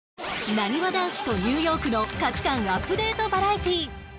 なにわ男子とニューヨークの価値観アップデートバラエティー